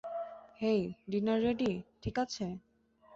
হেই, dinner ready, ঠিক আছে?